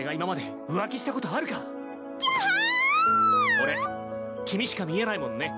俺君しか見えないもんね。